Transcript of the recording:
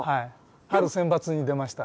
春センバツに出ました。